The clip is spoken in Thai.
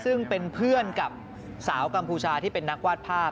ซึ่งเป็นเพื่อนกับสาวกัมพูชาที่เป็นนักวาดภาพ